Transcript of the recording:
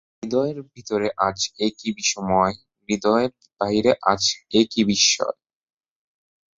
হৃদয়ের ভিতরে আজ এ কী বিসময়, হৃদয়ের বাহিরে আজ এ কী বিস্ময়!